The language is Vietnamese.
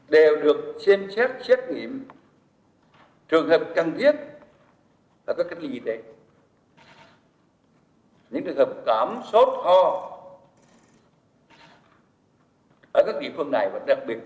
đều được xem xét xét nghiệm trường hợp cần thiết là các cách nghiệp y tế